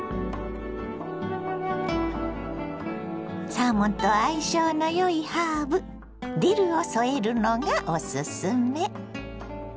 サーモンと相性のよいハーブディルを添えるのがおすすめ。